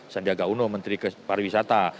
sandiaga uno menteri pariwisata